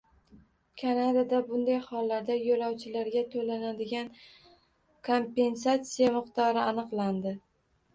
Kanadada bunday hollarda yo'lovchilarga to'lanadigan kompensatsiya miqdori aniqlandi